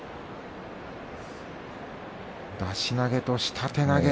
出し投げと下手投げ。